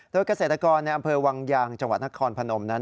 โดยเกษตรกรในอำเภอวังยางจังหวัดนครพนมนั้น